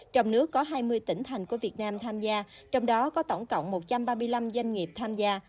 trong nước có hai mươi tỉnh thành của việt nam tham gia trong đó có tổng cộng một trăm ba mươi năm doanh nghiệp tham gia